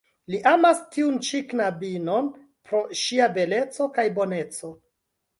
Li amas tiun ĉi knabinon pro ŝia beleco kaj boneco.